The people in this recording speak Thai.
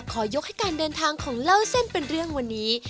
ขอยกให้การเดินทางของเล่าเส้นเป็นเรื่องวันนี้